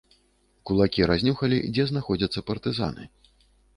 Кулакі разнюхалі, дзе знаходзяцца партызаны.